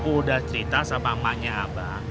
udah cerita sama emangnya abang